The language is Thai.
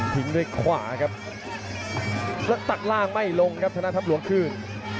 ด้วยขวาครับแล้วตัดล่างไม่ลงครับชนะทัพหลวงคืน